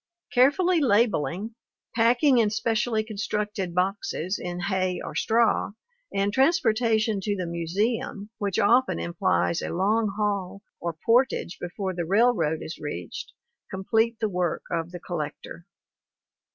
Careful labeling, packing in specially constructed boxes in hay or straw, and transportation to the museum, which often implies a long haul or portage before the railroad is reached, complete the work of the collector.